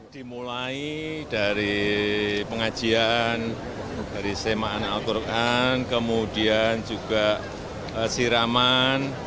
dimulai dari pengajian dari semaan al quran kemudian juga siraman